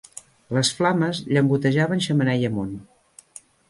Les flames llengotejaven xemeneia amunt.